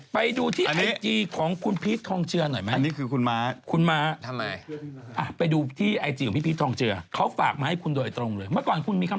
ไปดูที่ไอจีของคุณพีชทองเจือหน่อยไหม